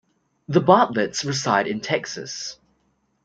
The Bartletts reside in Texas.